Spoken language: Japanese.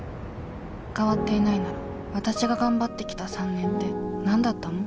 変わっていないならわたしが頑張ってきた３年って何だったの？